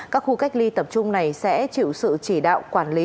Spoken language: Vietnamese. các khu cách ly tập trung này sẽ chịu sự chỉ đạo quản lý